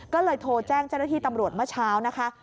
ก็เลยโทรแจ้งเจ้าหน้าที่ตำรวจเมื่อเช้านะคะ